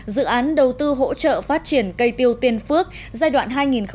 dự án đầu tư hỗ trợ phát triển cây tiêu tiên phước giai đoạn hai nghìn một mươi bốn hai nghìn một mươi tám